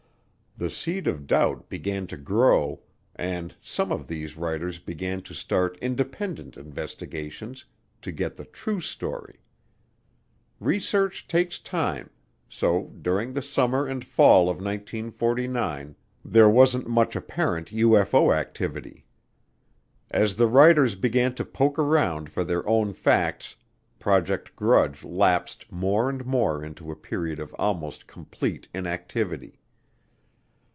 The seed of doubt began to grow, and some of these writers began to start "independent investigations" to get the "true" story. Research takes time, so during the summer and fall of 1949 there wasn't much apparent UFO activity. As the writers began to poke around for their own facts, Project Grudge lapsed more and more into a period of almost complete inactivity.